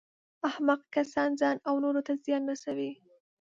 احمق کسان ځان او نورو ته زیان رسوي.